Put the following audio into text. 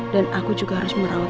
dan aku juga harus merawat rena